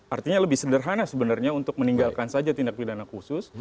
artinya lebih sederhana sebenarnya untuk meninggalkan saja tindak pidana khusus